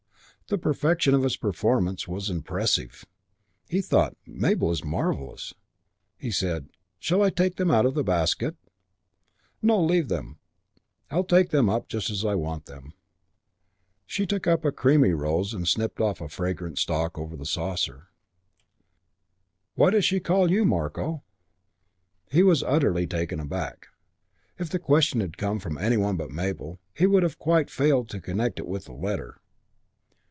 The perfection of its performance was impressive. He thought, "Mabel is marvellous." He said, "Shall I take them out of the basket?" "No, leave them. I take them up just as I want them." She took up a creamy rose and snipped off a fragment of stalk over the saucer. "Why does she call you 'Marko'?" He was utterly taken aback. If the question had come from any one but Mabel, he would have quite failed to connect it with the letter.